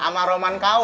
sama roman kw